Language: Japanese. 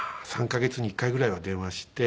３カ月に１回ぐらいは電話して。